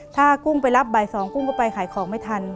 ถ้ากุ้งไปรับบ่าย๒กุ้งก็ไปขายของไม่ทัน